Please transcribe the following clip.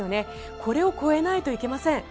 これを超えないといけません。